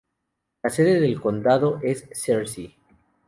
La sede del condado es Searcy.